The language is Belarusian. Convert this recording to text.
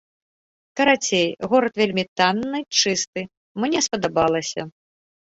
Карацей, горад вельмі танны, чысты, мне спадабалася.